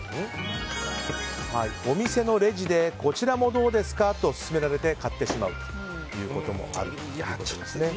お店のレジでこちらもどうですか？と勧められて買ってしまうこともあるということですね。